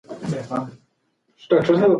نوي فکرونه راوړئ.